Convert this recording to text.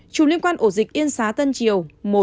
chủng liên quan ổ dịch yên xá tân triều một